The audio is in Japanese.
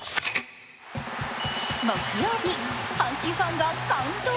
木曜日、阪神ファンが感動。